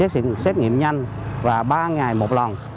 xét nghiệm nhanh và ba ngày một lần